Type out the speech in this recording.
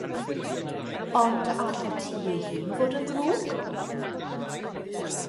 Ond a all y tŷ ei hun fod yn ddrwg?